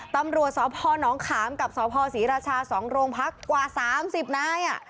ตำรวจสพนขามกับสพศรีราชา๒โรงพักกว่า๓๐นาย